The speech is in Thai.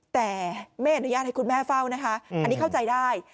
แต่ไม่อนุญาตให้คุณแม่เฝ้านะคะอันนี้เข้าใจได้